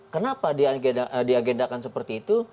kenapa di agendakan seperti itu